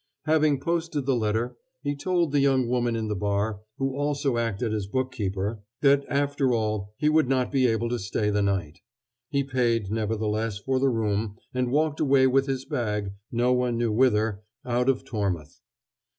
Having posted the letter, he told the young woman in the bar, who also acted as bookkeeper, that, after all, he would not be able to stay the night. He paid, nevertheless, for the room, and walked away with his bag, no one knew whither, out of Tormouth.